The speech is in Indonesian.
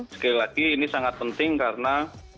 sekali lagi ini sangat penting karena